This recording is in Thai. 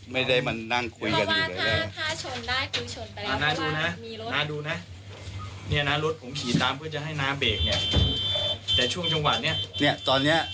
ไม่ได้ขับรถแบบเสียงที่จะหลีก